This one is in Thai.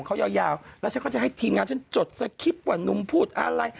เขายาวแล้วฉันก็จะให้ทีมงานฉันจดสคริปต์ว่านุ่มพูดอะไร